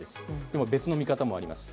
でも別の見方もあります。